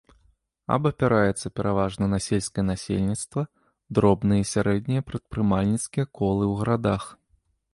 Абапіраецца пераважна на сельскае насельніцтва, дробныя і сярэднія прадпрымальніцкія колы ў гарадах.